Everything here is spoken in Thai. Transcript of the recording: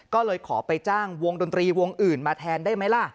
ก็เลยขอไปจ้างวงดนตรีวงอื่นมาแทนได้ไหมล่ะ